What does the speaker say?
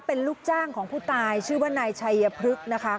เป็นลูกจ้างของผู้ตายชื่อว่านายชัยพฤกษ์นะคะ